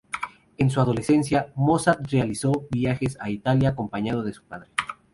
En su adolescencia, Mozart realizó varios viajes a Italia acompañado de su padre.